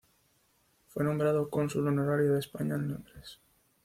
Fue nombrado Cónsul honorario de España en Londres.